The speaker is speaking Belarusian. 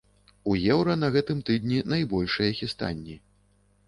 У еўра на гэтым тыдні найбольшыя хістанні.